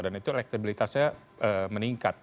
dan itu elektribilitasnya meningkat